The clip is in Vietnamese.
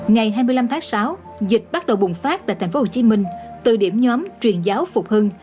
ngày hai mươi năm tháng sáu dịch bắt đầu bùng phát tại thành phố hồ chí minh từ điểm nhóm truyền giáo phục hưng